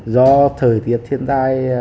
do thời tiết thiên tai